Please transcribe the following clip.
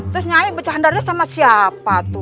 terus nyai becandarnya sama siapa tuh